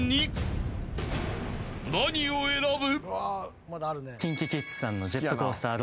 ［何を選ぶ？］